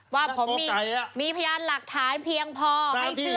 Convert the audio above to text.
ว่าผมมีพยานหลักฐานเพียงพอให้ชื่อ